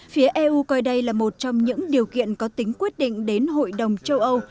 phía eu coi đây là một trong những điều kiện có tính quyết định đến hội đồng châu âu